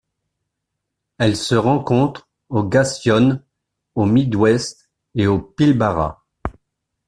Elle se rencontre au Gascoyne, au Mid West et au Pilbara.